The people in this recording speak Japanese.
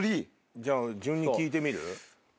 じゃあ順に聞いてみる？